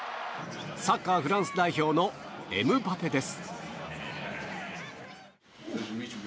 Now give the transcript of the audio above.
サッカーフランス代表のエムバペです。